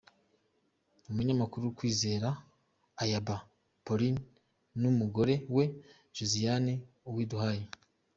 Umunyamakuru Kwizera Ayabba Paulin n’umugore we Josiane Uwiduhaye.